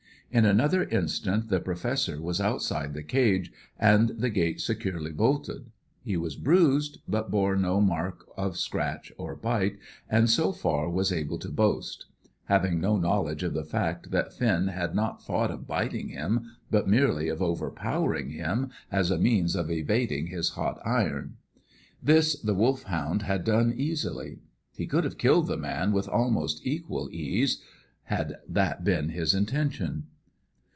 In another instant the Professor was outside the cage, and the gate securely bolted. He was bruised, but bore no mark of scratch or bite, and so far was able to boast; having no knowledge of the fact that Finn had not thought of biting him, but merely of overpowering him, as a means of evading his hot iron. This the Wolfhound had done easily. He could have killed the man with almost equal ease, had that been his intention.